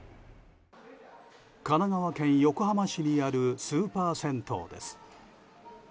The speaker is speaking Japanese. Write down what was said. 神奈川県横浜市にあるスーパー銭湯です。